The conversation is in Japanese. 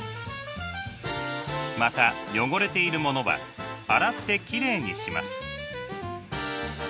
また汚れているものは洗ってきれいにします。